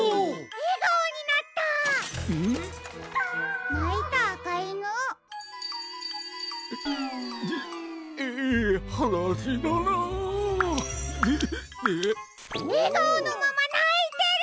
えがおのままないてる！